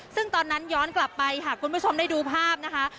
ซึ่งตอนนั้นย้อนกลับไปค่ะคุณผู้ชมได้ดูภาพนะคะ